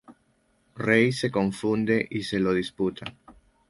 Ray se confunde y se lo disputa.